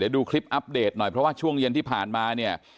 เดี๋ยวดูคลิปอัพเดทหน่อยเพราะว่าช่วงเย็นที่ผ่านมา